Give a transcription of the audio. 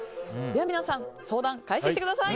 では皆さん相談開始してください。